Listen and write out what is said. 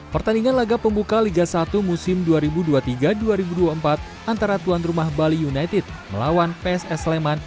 pertandingan laga pembuka liga satu musim dua ribu dua puluh tiga dua ribu dua puluh empat antara tuan rumah bali united melawan pss sleman